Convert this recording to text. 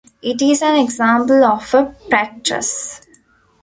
It is an example of a Pratt truss.